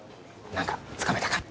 何かつかめたか？